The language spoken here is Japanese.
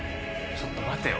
ちょっと待てよ。